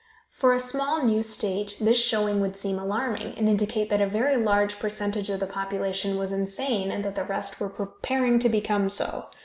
For a small, new state, this showing would seem alarming, and indicate that a very large percentage of the population was insane, and that the rest were preparing to become so.